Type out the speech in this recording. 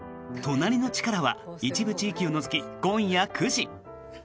「となりのチカラ」は一部地域を除き今夜９時。